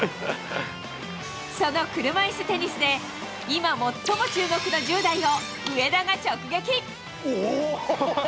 その車いすテニスで、今最も注目の１０代を上田が直撃。